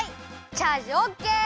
チャージオッケー！